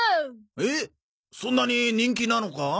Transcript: えっそんなに人気なのか？